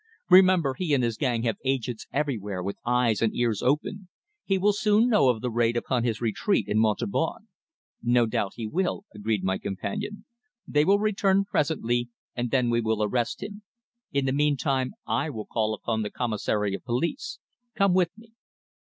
"Remember, he and his gang have agents everywhere with eyes and ears open. He will soon know of the raid upon his retreat in Montauban." "No doubt he will," agreed my companion. "They will return presently, and then we will arrest him. In the meantime I will call upon the Commissary of Police. Come with me."